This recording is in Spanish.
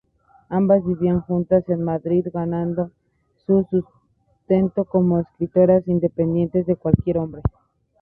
Ambas vivían juntas en Madrid, ganando su sustento como escritoras, independientes de cualquier hombre.